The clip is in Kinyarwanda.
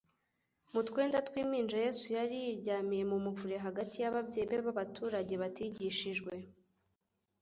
Mu twenda tw'impinja Yesu yari yiryamiye mu muvure hagati y'ababyeyi be b'abaturage, batigishijwe. "